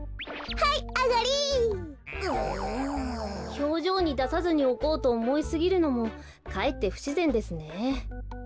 ひょうじょうにださずにおこうとおもいすぎるのもかえってふしぜんですね。